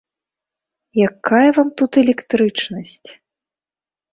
Якая вам тут электрычнасць!